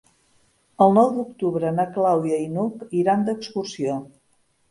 El nou d'octubre na Clàudia i n'Hug iran d'excursió.